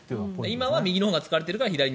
今は右のほうが使われているから。